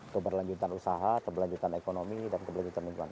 keberlanjutan usaha keberlanjutan ekonomi dan keberlanjutan lingkungan